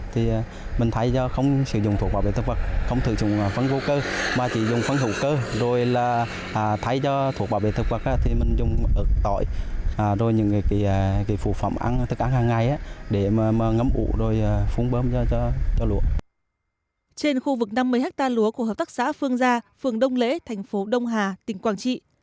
trên khu vực năm mươi hectare lúa của hợp tác xã phương gia phường đông lễ thành phố đông hà tỉnh quảng trị